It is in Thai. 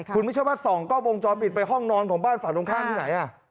คุณผู้ชมฮะ๒กร้องวงจรปิดไปห้องนอนของบ้านฝ่านตรงข้างที่ไหน